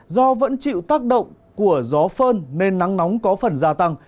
do vẫn chịu tác động của gió phơn nên nắng nóng có phần gia tăng